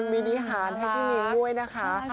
มมมมมมมมมมมโอ้ยมินิหารให้พี่นิ้งด้วยนะคะ